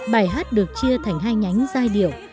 bài hát được chia thành hai nhánh giai điệu